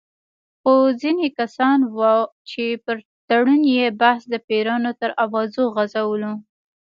خو ځینې کسان وو چې پر تړون یې بحث د پیریانو تر اوازو غـځولو.